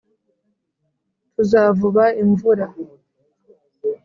tuzavuba imvura